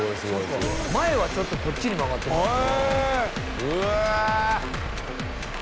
前はちょっとこっちに曲がってますね。